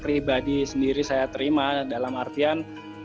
pribadi sendiri saya terima dalam artian